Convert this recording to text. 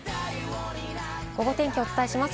ゴゴ天気をお伝えします。